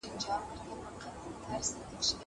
که وخت وي، د کتابتون د کار مرسته کوم.